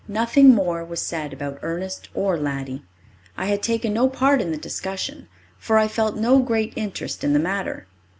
Nothing more was said about Ernest or Laddie. I had taken no part in the discussion, for I felt no great interest in the matter.